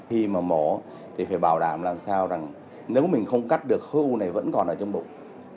khi mà mẫu thì phải bảo đảm làm sao rằng nếu mình không cắt được khối u này vẫn còn ở trong bụng